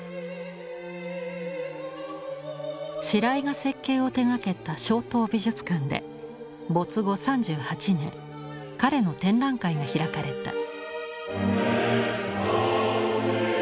白井が設計を手がけた松濤美術館で没後３８年彼の展覧会が開かれた。